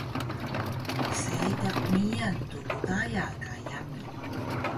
Seediq miyan Tgdaya ka yami